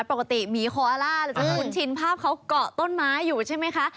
ปกติหมีโคอล่าเราจะคุ้นชินภาพเขาเกาะต้นไม้อยู่ใช่ไหมคะ